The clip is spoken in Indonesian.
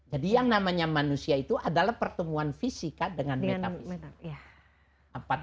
jadi yang namanya manusia itu adalah pertemuan fisika dengan metafisik